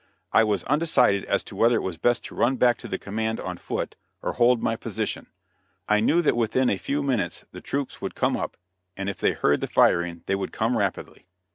I was undecided as to whether it was best to run back to the command on foot or hold my position. I knew that within a few minutes the troops would come up, and if they heard the firing they would come rapidly.